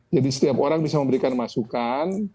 setiap orang bisa memberikan masukan